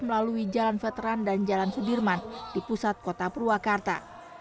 melalui jalan veteran dan jalan sudirman di pusat kota purwakarta